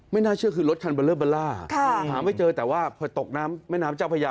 ไม่น่าเชื่อคือรถคันบัลล่าบัลล่าค่ะหาไม่เจอแต่ว่าเผื่อตกน้ำแม่น้ำเจ้าพระยา